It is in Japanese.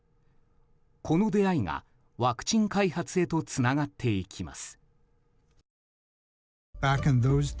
この出会いが、ワクチン開発へとつながっていきます。